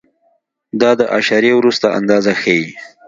دا د اعشاریې وروسته اندازه ښیي.